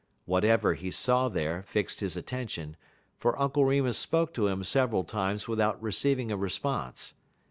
Whatever he saw there fixed his attention, for Uncle Remus spoke to him several times without receiving a response.